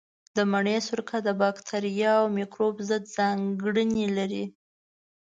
د مڼې سرکه د باکتریا او مېکروب ضد ځانګړنې لري.